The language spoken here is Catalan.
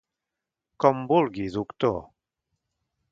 Com vulgui, doctor...